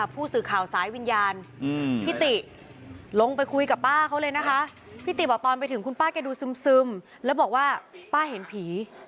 พี่ติบอกตอนไปถึงคุณป้าก็ดูซึมแล้วบอกว่าป้าเห็นผี